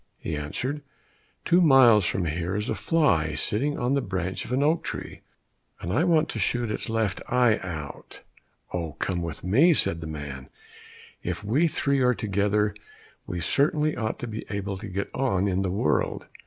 He answered, "Two miles from here a fly is sitting on the branch of an oak tree, and I want to shoot its left eye out." "Oh, come with me," said the man, "if we three are together, we certainly ought to be able to get on in the world!"